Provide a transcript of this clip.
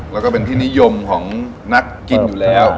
แล้วก็เป็นที่นิยมของนักกินอยู่แล้ว